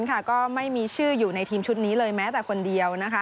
ก็ไม่มีชื่ออยู่ในทีมชุดนี้เลยแม้แต่คนเดียว